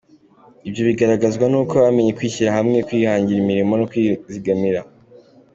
Ibyo bigaragazwa n’uko bamenye kwishyira hamwe, kwihangira imirimo no kwizigamira”.